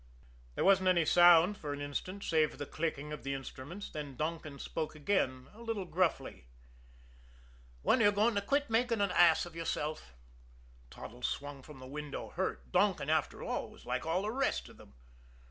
There wasn't any sound for an instant, save the clicking of the instruments; then Donkin spoke again a little gruffly: "When are you going to quit making an ass of yourself?" Toddles swung from the window, hurt. Donkin, after all, was like all the rest of them.